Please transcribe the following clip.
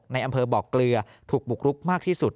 ในอำเภอบอกเกลือถูกบุกรุกมากที่สุด